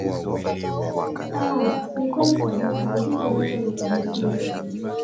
aa ni kweli kabisa ni kitu ambacho amekigusia